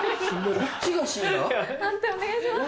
判定お願いします。